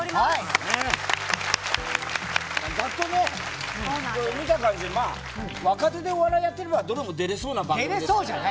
ざっと見た感じ若手でお笑いやってればどれも出れそうな番組。